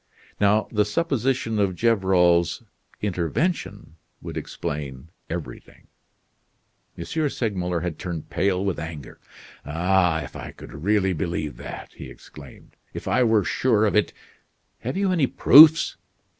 Now the supposition of Gevrol's intervention would explain everything." M. Segmuller had turned pale with anger. "Ah! if I could really believe that!" he exclaimed; "if I were sure of it! Have you any proofs?"